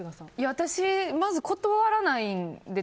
私、まず断らないんで。